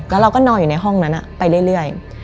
แล้วเราก็นอนอยู่ในห้องนั้นไปเรื่อย